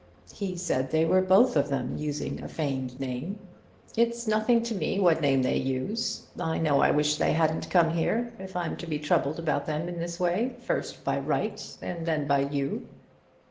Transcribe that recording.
"He said they were both of them using a feigned name." "It's nothing to me what name they use. I know I wish they hadn't come here, if I'm to be troubled about them in this way first by Wright and then by you."